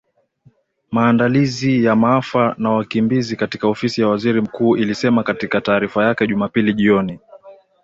Maandalizi ya maafa na wakimbizi katika Ofisi ya Waziri Mkuu ilisema katika taarifa yake Jumapili jioni .